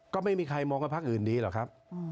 ก็ไม่มีใครมองว่าพักอื่นดีหรอกครับ